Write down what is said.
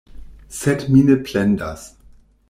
Sed mi ne plendas.